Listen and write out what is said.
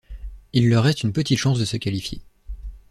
Il leur reste une petite chance de se qualifier.